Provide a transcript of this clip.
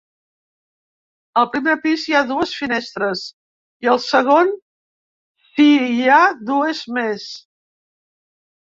Al primer pis hi ha dues finestres i, al segon, s'hi ha dues més.